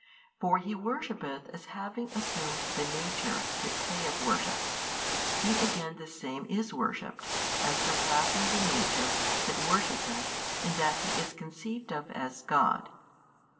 For He worshippeth as having assumed the nature that payeth worship, He again the Same is worshipped as surpassing the nature that worshippeth in that He is conceived of as God.